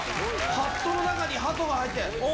ハットの中にハトが入って。